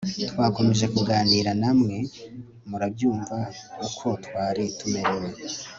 twakomeje kuganira namwe murabyumva uko twari tumerewe